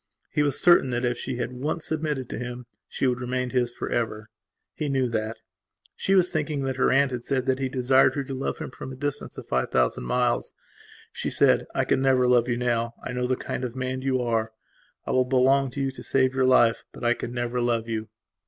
He was certain that if she had once submitted to him she would remain his for ever. He knew that. She was thinking that her aunt had said he had desired her to love him from a distance of five thousand miles. She said: "I can never love you now I know the kind of man you are. I will belong to you to save your life. But I can never love you."